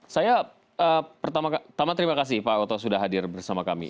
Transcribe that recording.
saya pertama tama terima kasih pak oto sudah hadir bersama kami